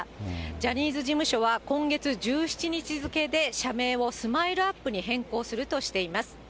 ジャニーズ事務所は今月１７日付で社名をスマイルアップに変更するとしています。